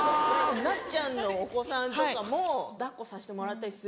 なっちゃんのお子さんとかも抱っこさせてもらったりする。